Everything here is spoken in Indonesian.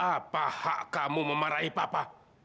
apa hak kamu memarahi papa